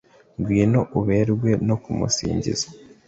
ngwino uberwe no kumusingiza